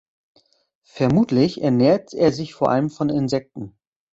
Vermutlich ernährt er sich vor allem von Insekten.